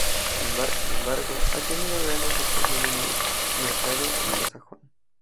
Sin embargo, ha tenido gran aceptación en el mercado anglosajón.